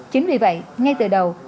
chính vì vậy ngay từ đầu